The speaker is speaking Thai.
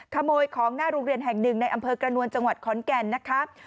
ขโมยของหน้าโรงเรียนแห่งหนึ่งในอำเภอกระนวลจังหวัดขอนแก่นนะคะ